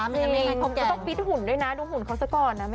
จริงต้องพิทหุ่นด้วยนะดูหุ่นเขาสักก่อนนะ